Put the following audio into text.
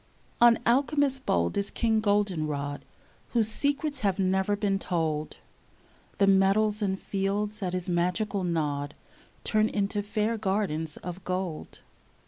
On alchemist bold is King Goldenrod, •/■Whose secrets have never been told; The meadows and fields at his magical nod Turn into fair gardens of gold.